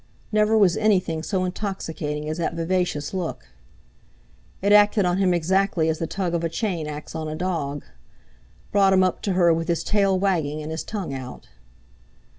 Never was anything so intoxicating as that vivacious look. It acted on him exactly as the tug of a chain acts on a dog—brought him up to her with his tail wagging and his tongue out.